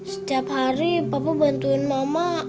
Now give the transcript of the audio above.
setiap hari papa bantuin mama